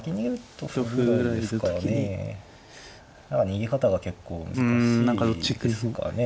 逃げ方が結構難しいですかね。